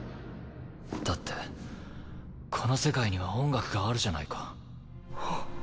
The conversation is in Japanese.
だってこの世界には音楽があるじゃないか。は。